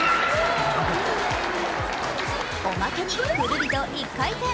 おまけにくるりと一回転。